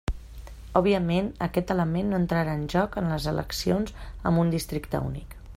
Òbviament, aquest element no entrarà en joc en les eleccions amb un districte únic.